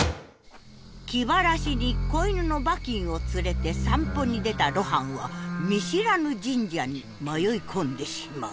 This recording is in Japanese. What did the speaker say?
気晴らしに子犬のバキンを連れて散歩に出た露伴は見知らぬ神社に迷い込んでしまう。